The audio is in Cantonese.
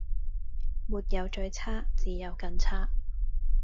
沒有最差只有更差